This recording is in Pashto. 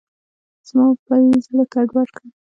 زما به یې زړه ګډوډ کړ.